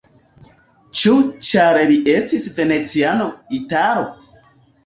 Ĉu ĉar li estis veneciano, italo?